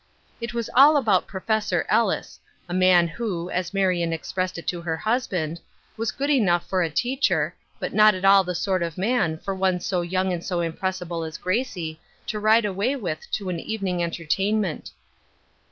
It was all about Prof. Ellis, a man who, as Marion expressed it to her hus band, was good enough for a teacher, but not at all the sort of man for one so young and so impressible as Gracie to ride away with to an evening entertainment.